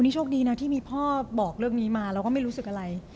นี่โชคดีนะที่มีพ่อบอกเรื่องนี้มาเราก็ไม่รู้สึกอะไร